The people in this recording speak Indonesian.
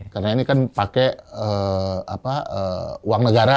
karena ini kan pakai uang negara